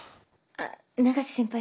あっ永瀬先輩